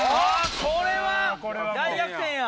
これは大逆転や。